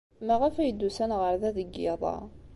Maɣef ay d-usan ɣer da deg yiḍ-a?